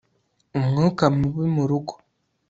umwuka mubi mu rugo